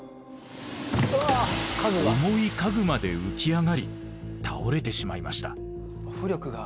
重い家具まで浮き上がり倒れてしまいました。